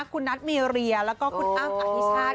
คุณนัทมีเรียแล้วก็คุณอ้ำอธิชาติ